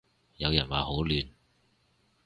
有人話好亂